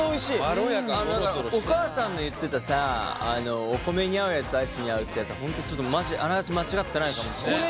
あのお母さんの言ってたさお米に合うやつアイスに合うってやつは本当ちょっとマジであながち間違ってないかもしれない。